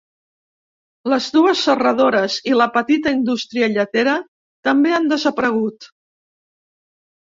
Les dues serradores i la petita indústria lletera també han desaparegut.